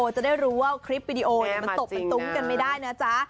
ไม่รู้ว่าคลิปวีดีโอมันตบมันตุ๊งกันไม่ได้นะจ๊ะ